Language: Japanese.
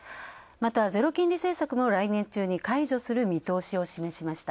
また、ゼロ金利政策も来年中に解除する見通しを示しました。